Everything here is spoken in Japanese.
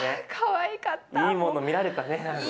いいもの見られたね何か。